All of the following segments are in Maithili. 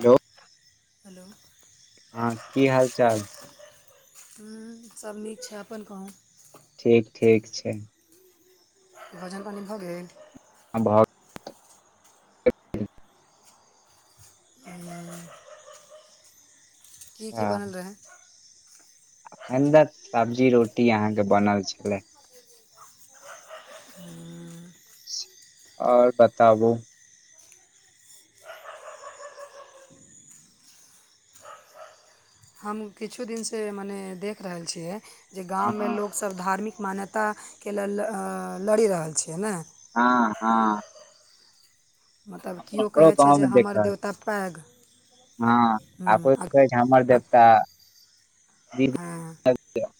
हेलो हेलो हूँ हँ की हाल चाल? हूँ सब नीक छै। अपन कहूँ? ठीक ठीक छै भोजन पानी भऽ गेल? भागल [unintelligible] की की बनल रहै? अखन तऽ सब्जी रोटी अहाँके बनल छलै। हूँ आओर बताबू। हम किछु दिनसँ मने देख रहल छियै जे हँ गाँवमे लोक सभ धार्मिक मान्यताके लऽ कऽ लड़ि रहल छै ने। हँ हँ मतलब केओ हमरो कहै छै जे गाममे देख हमर रहल छी देवता पैघ हँ, हूँ, आ आबैत। हँ, मर आ देवता हँ दऽब।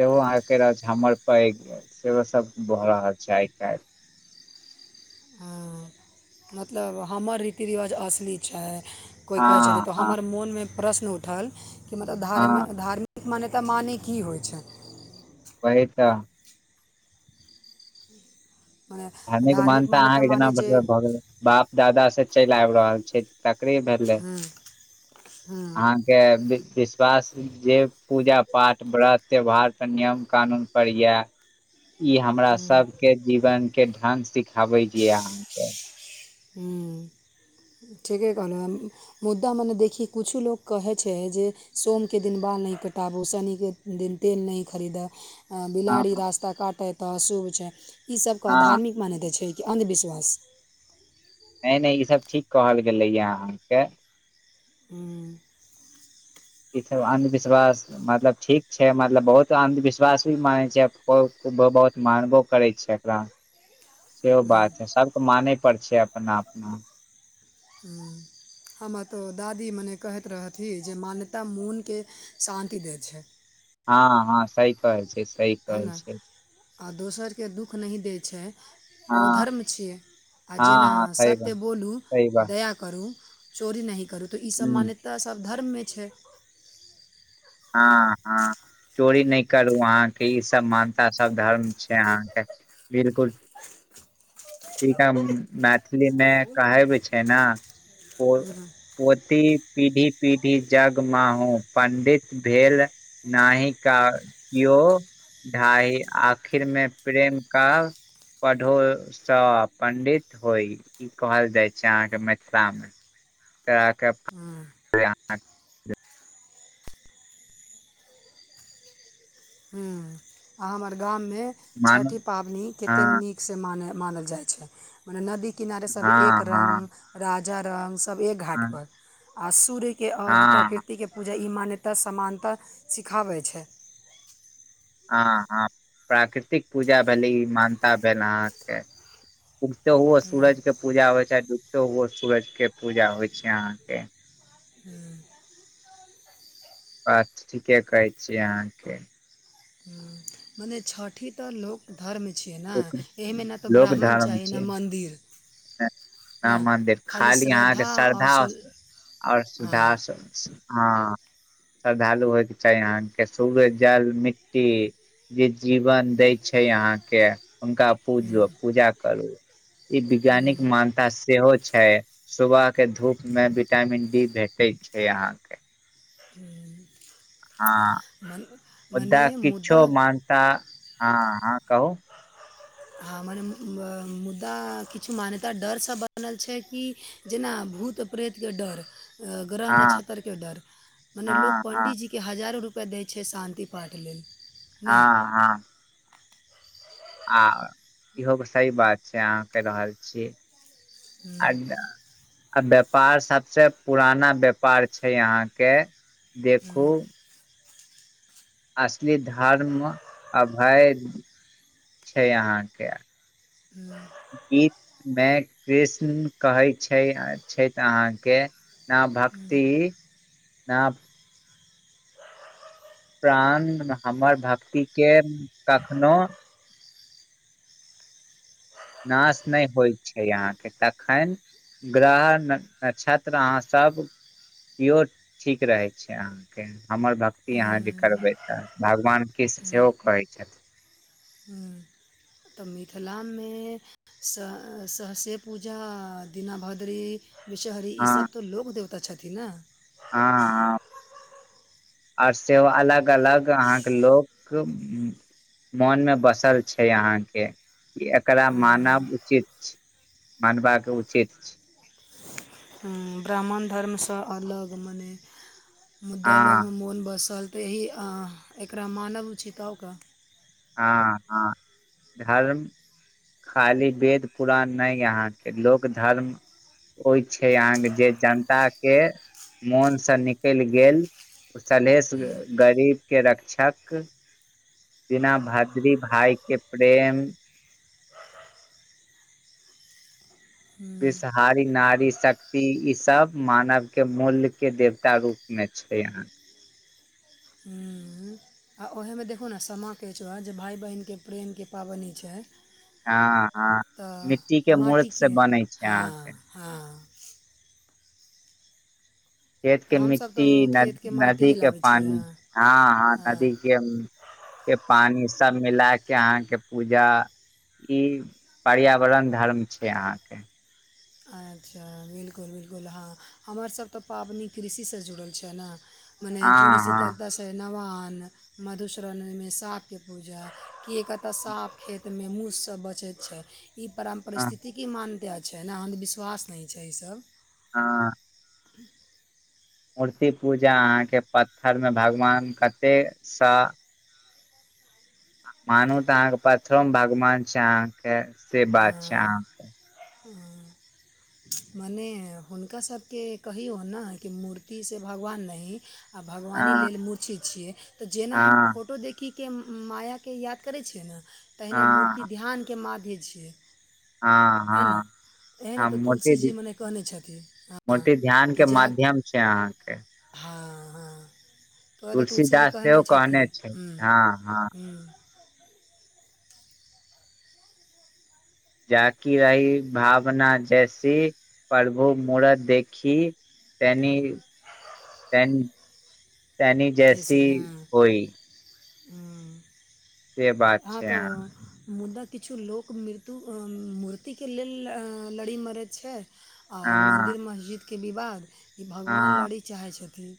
सेहो आहऽके हमर पैघ, ई सेहो सभ भऽ रहल छै आइ काल्हि। हँ मतलब, हमर रीति रिवाज असली छै। कोइ कहै हँ छथि तऽ हँ हमर मोनमे प्रश्न उठल कि मतलब धार्मि हँ धार्मि मान्यता माने की होइ छै वही तऽ मने धार्मिक मानता मान्यता अहाँके जेना माने जे मतलब भऽ गेलै बाप दादा से चलि आबि रहल छै तकरे भेलै [inaudible] अहाँके विश्वास जे पूजा पाठ व्रत त्योहार त नियम कानून पर य इ हमरा हँ सबके जीवन के ढंग सिखाबे हिया हू ठीके कहलौ मुद्दा मने देखी किछो लोक कहैत छै जे सोमके दिन बाल नहि कटाबू शनिके दिन तेल नहि खरीदै हँ बिलाड़ी रास्ता काटै तऽ अशुभ छै ई सबके हँ धार्मिक मानता छै कि अन्धविश्वास नहि नहि ई सब ठीक कहल गेलैय अहाँके हूँ ईसभ अन्धविश्वास मतलब ठीक छै मतलब बहुत अन्धविश्वास भी मानै छै बहुत ब बहुत मानबो करै छै एकरा सेहो बात है सबके माने पर छै अपना अपना [inaudible] हमर तऽ दादी मने कहैत रहथि जे मान्यता मोनके शान्ति दैत छै हँ हँ सही कहै छै सही है कहै ने छै आ दोसरके दुःख नहि दै छै हँ ओ धर्म छियै आ हँ जेना हँ सही बात सत्य बोलू सही बात दया करू चोरी नहि करू तऽ ई सब हूँ मान्यता सब धर्ममे छै हँ हँ चोरी नहि करू अहाँके ई सब मानता सब धर्म छै से अहाँ के बिलकुल इनका मैथिलीमे कहैबे छै ने ओ पोती पीढ़ी पीढ़ी जग माहूँ पंडित भेल नहि क केओ ढाई आखिरमे प्रेम का पढ़ोसँ पंडित होइ ई कहल जाय छै अहां के मिथिला मे त क हमर गाममे मानू छठि पाबनि कतेक हँ नीक मानल जाइ छै मने नदी किनारे सब एक हँ हँ रंग राजा रंक एक घाट हँ पर सूर्य के अर्घ हँ प्राकृतिक ओ जे ई मान्यता समानताः सिखाबै छै आ ह प्राकृतिक पूजा भली मान ता भेल अहाँके उगते हुए सूरज के पूजा होइ छै डूबते हुए सूरज के पूजा होइ छै अहाँके [inaudible] बात ठीके कहै छियै अहाँके ह मने छठि तऽ लोक धर्म छियै ने एहिमे नहि तऽ ब्राह्मण चाही ने मन्दिर ना मन्दिर खाली अहाँके श्रद्धा और सरधा सु आओर सुध हँ सु हँ श्रद्धालु होयके चाही अहाँके सुर्य जल मिट्टी जे जीवन दै छै यहाँके हुनका पूजु पूजा करु ई वैज्ञानिक मान ता सेहो छै सुबह के धूप में विटामिन डी भेटे छै अहाँ के [inaudible] हँ बा मन मने मुद्दा किछो मानता हँ हँ कहू हँ मने मुद्दा किछु मान्यता डरसँ बनल छै कि जेना भूत प्रेतके डर ग्रह हँ नक्षत्रके डर मने लोक हँ हँ पण्डीजीके की हजारो रुपैआ दै छै शान्ति पाठ लेल ने हँ हँ आ इहो सही बात छै अहाँ कहि रहल छियै हम्म, अड्डा आ व्यापार सबसे पुराना व्यापार छै यहां के देखू हम्म, असली धर्म आ भय छै अहांके हूं गीत मे कृष्ण कहै छै छथि अहाँके न भक्ति न प्राण हमर भक्ति के कखनो नाश नहि होय छै अहाँके तखन ग्रह नक्षत्र अहाँ सब इहो ठीक रहै छै अहाँके हमर भक्त की अहाँ जे करबै तऽ भगवान कुष्ण सेहो कहै छथिन हॅं तऽ मिथिलामे स सहसे पूजा दीना भद्री विषहरी हँ ईसभ तऽ लोक देवता छथिन न हँ हॅं आओर से अलग अलग अहाके लोक मोन मे बसल छै अहाँ के एकरा अ, मानब उचित छै मानबाके उचित छै ब्राहमण धर्म सँ अलग‌ मने मुद्दा लोग हँ मोन बसल तऽ इ एकरा मानब उचित ह ओकरा हँ हॅं धर्म खाली वेद पुरान नहि यहाँ लोक धर्म होय छै अहाँके जे जनता के मोन से निकलि गेल सलहेश गरीब के रक्षक दिना भद्री भाय के प्रेम पीसा हारी नारी शक्ति ई सब मानव के मूल्य के देवता रूप में छै यहा हूँ आ ओहेमे देखू ने समा केचुहा जे भाय बहिनके प्रेमके पाबनि हय छै हँ हँ मिट्टी तऽ के मूर्त से माटिके बनै छै हँ अहाँके हँ खेत तऽ के हमसभ मिट्टी तऽ खेतके नदी माटिये के लाबै छियै पानि हँ हँ नदी के के पानि सब मिला के अहां के पूजा ई पर्यावरण धर्म छै अहां के अच्छा बिल्कुल बिल्कुल हँ हमरसभ तऽ पबनि कृषिसँ जुड़ल छै ने मने जूड़ी हँ शीतल हँ से नवान मधुश्रणीमे साँपके पूजा कि कतय साँप खेतमे मुससँ बचैत छै ई परम हँ परिस्थितिके मान्यता छै ने अन्धविश्वास नहि छै ईसभ हँ ह मूर्ति पूजा अहाँके पत्थरमे भगवान कतेकसँ मानू तऽ अहाँके पथरो मे भगवान छै अहाँके से बात छै अहाँके ह मने हुनका सबके कहि हो ने कि मूर्तिसँ भगवान नही आ भगवानी अहाँ लेल मूर्ति छियै तऽ जेना हम हँ फोटो देखी के मायाके याद करै छियै ने तहिना मूर्ति हँ ध्यानके माध्य छियै हाँ है ने हाँ एहै लए हँ तऽ तुलसी जी मूर्ति मने कहने छथिन हँ मूर्ति ध्यान कि के जा माध्यम छै अहाँके हँ हँ तोरा तऽ तुलसी जी तुलसीदास कहने सेहो छथिन छै ह्म हँ हँ ह्म जााकि रही भावना जैसी प्रभु मूरत देखी तैनी तइनी तैसी हँ ह से बात हँ छै तो अहाँ मुदा किछु लोक मृत्यु अँ मूर्तिके लेल अ लड़ी मरै छै आ हँ मन्दिर मस्जिदके विवाद ई भगवान हँ लड़ी चाहै छथिन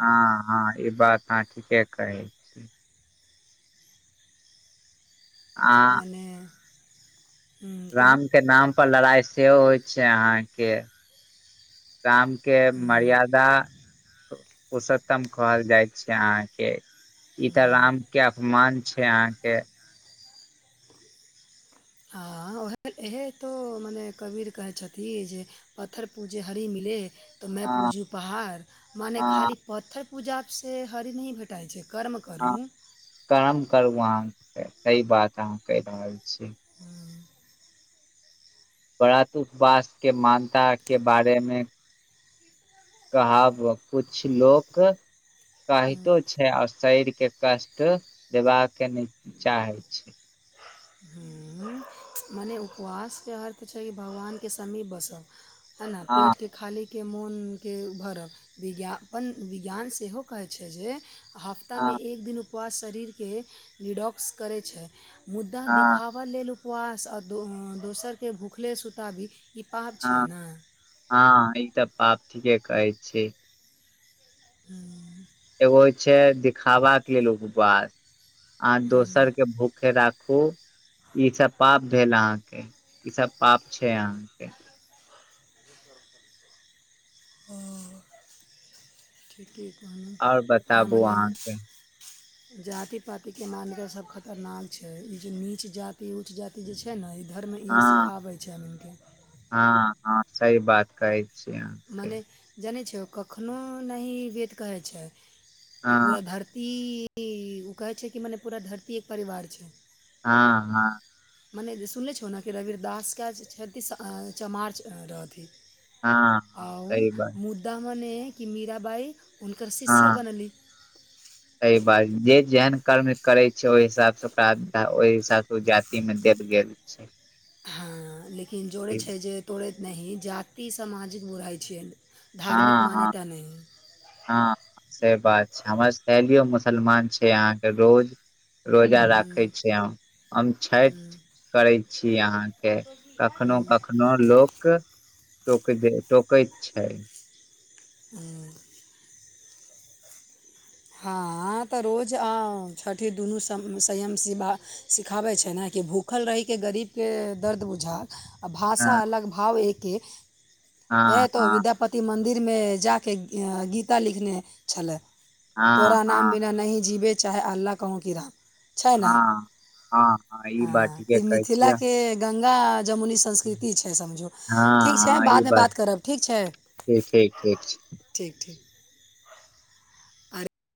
हँ हँ ई बात अहाँ ठीके कहैय छी आ मनेे राम के नाम पर लड़ाइ सेहो होइ छै अहाँके राम के हम्म। मर्यादा पुरषोत्तम कहल जाय छै अहाँ के ई तऽ राम के अपमान छै अहाँके हँ उह इएहे तो मने कबीर कहै छथिन जे पत्र पूजे हरी मिले तो मैं हँ पूजू पहाड़ मने हँ खाली पत्थर पूजाप से हरी नहीं भेट भेटये छै कर्म करू कम करु अहाँ सही बात अहाँ कहि रहल छी हँ बड़ा दुःख उपवास के मान्यता के बारे मे कहब कुछ लोक कहितो छै आ शरीर के कष्ट देबा के नै चाहे छी हुँ मने उपवास के अर्थ छै भगवान के समीप बसब है न हँ पेटके खालीके मोनके उ भरब विज्ञापन विज्ञान सेहो कहैत छै जे हफ्तामे हँ एक दिन उपवास शरीरके डिडॉक्स करैत छै मुद्दा हँ दिखाब आ लेल उपवास आ दोसरके भुखले सुताबी ई पाप छै हँ ने हँ ई तऽ पाप ठीके कहै छी हुँ एगो छै दिखावा के लेल उपवास अहाँ दोसर के भूखे राखु ख ई सब पाप भेल अहाँके ई सब पाप छै अहाँके की कहल और आ बताबू मने अहाँके जाति पतिके मानके सभ खतरनाक छै ई जे नीच जाति ऊच जाति ई जे छै ने इ धर्म ई हँ सिखाबै छै आदमी कें हँ हँ सही बात कहै छियै आहा मने जनै छियौ कखननो नहि वेद कहै छै कि हँ पूरा धरती ओ कहै छै कि मने पूरा धरती एक परिवार छै हँ हाँ मने जे सुनने छौ ने कि रविरदासके छतीस चमार रहथि हँ हँ आओ सही बात मुद्दा मनेइ कि मीराबाइ हुनकर शिष्या बनली [unintelligible] त बाइ जे जेहन कर्म करे छै ओहि हिसाब से ओकरा ओहि हिसाब से ओ जाति में देल गेल छै छै हँ लेकिन जोड़ै छै जे तोड़ैत नहि जाति सामाजिक बुराइ छै धार्मिक हँ हँ मान्यता ने हँ से बात छै हमर सहेलियो मुसलमान छै अहाँके रोज रोजा राखै छिय हम छै हम छैठ करै छी अहाँके कखनो कखनो लोक कह टोकय टोकैत छै हुं हँ तऽ रोज छठि दुनू संयम सिवा सिखाबै छै ने कि भूख भूखल रहिके गरीबके दर्द बुझाक आ हँ भाषा अलग भाव एकके हे हँ तो हँ विद्यापति मन्दिरमे जा कऽ गीता लिखने छलए हँ तोरा नाम हँ बिना नहिं जीबे चाहे अल्ला कहौं की राम छै ने हँ हँ हँ ई बात ठीके कहै छियै गंगा जमुनीसँ संस्कृति छै समझो हँ ठीक छै हँ ई बाद मे बात करब ठीक छै ठीक ठीक ठीक छै ठीक ठीक आर